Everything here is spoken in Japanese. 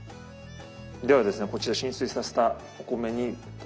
ではですねこちら浸水させたお米にお砂糖いきます。